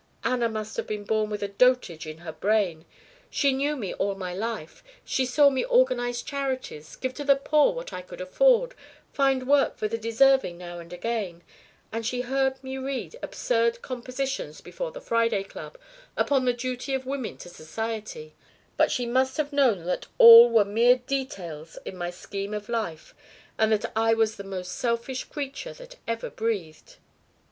Anna must have been born with dotage in her brain. She knew me all my life. She saw me organise charities, give to the poor what I could afford, find work for the deserving now and again, and she heard me read absurd compositions before the Friday Club upon the duty of Women to Society; but she must have known that all were mere details in my scheme of life and that I was the most selfish creature that ever breathed."